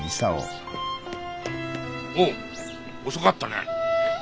おう遅かったね。